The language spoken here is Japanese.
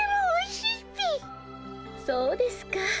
そうですか。